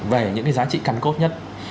về những cái giá trị cắn cốt nhất